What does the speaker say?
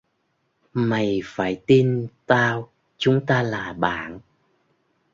Mày phải tin tao chúng ta là bạn